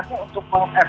niatnya untuk mengevaluasi